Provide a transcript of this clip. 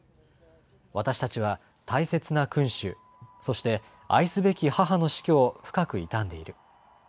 私たちは大切な君主、そして愛すべき母の死去を深く悼んでいる。